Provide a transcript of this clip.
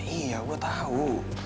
iya gue tahu